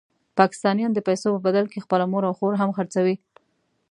پاکستانیان د پیسو په بدل کې خپله مور او خور هم خرڅوي.